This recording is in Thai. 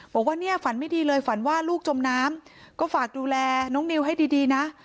บอกว่าเนี่ยฝันไม่ดีเลยฝันว่าลูกจมน้ำก็ฝากดูแลน้องนิวให้ดีนะ